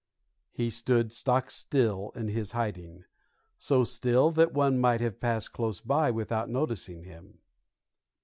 He stood stock still in his hiding, so still that one might have passed close by without noticing him.